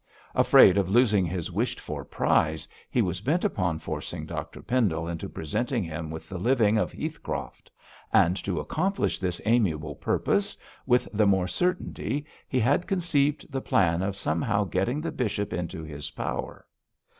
Afraid of losing his wished for prize, he was bent upon forcing Dr Pendle into presenting him with the living of Heathcroft; and to accomplish this amiable purpose with the more certainty he had conceived the plan of somehow getting the bishop into his power.